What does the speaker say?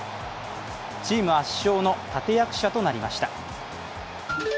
チーム圧勝の立役者となりました。